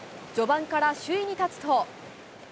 序盤から首位に立つと。